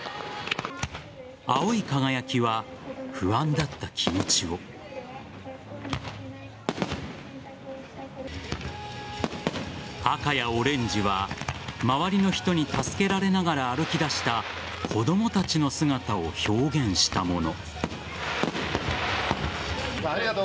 青い輝きは不安だった気持ちを赤やオレンジは周りの人に助けられながら歩き出した子供たちの姿を表現したもの。